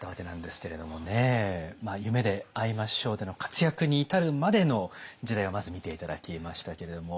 「夢であいましょう」での活躍に至るまでの時代をまず見て頂きましたけれども。